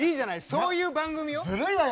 そういう番組よ！